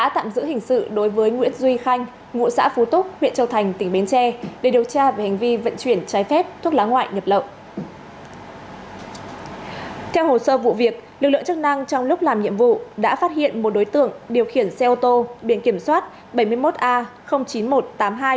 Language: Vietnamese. theo hồ sơ vụ việc lực lượng chức năng trong lúc làm nhiệm vụ đã phát hiện một đối tượng điều khiển xe ô tô biển kiểm soát bảy mươi một a chín nghìn một trăm tám mươi hai